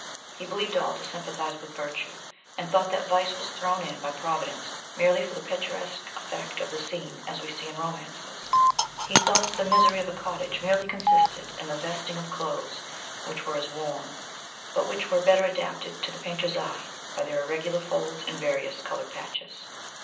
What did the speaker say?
He believed all to sympathise with virtue, and thought that vice was thrown in by Providence merely for the picturesque effect of the scene, as we see in romances: he thought that the misery of a cottage merely consisted in the vesting of clothes, which were as warm, but which were better adapted to the painter's eye by their irregular folds and various coloured patches.